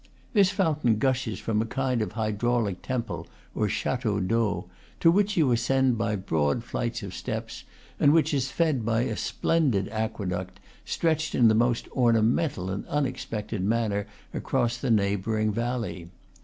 This foun tain gushes from a kind of hydraulic temple, or cha teau d'eau, to which you ascend by broad flights of steps, and which is fed by a splendid aqueduct, stretched in the most ornamental and unexpected manner across the neighboring valley.